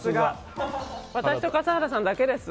私と笠原さんだけです。